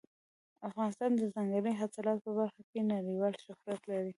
افغانستان د ځنګلي حاصلاتو په برخه کې نړیوال شهرت لري.